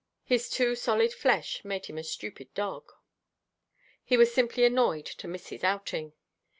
His too solid flesh made him a stupid dog. He was simply annoyed to miss his outing.